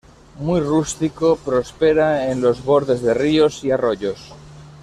Muy rústico, prospera en los bordes de ríos y arroyos.